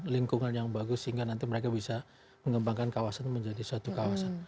lingkungan yang bagus sehingga nanti mereka bisa mengembangkan kawasan menjadi suatu kawasan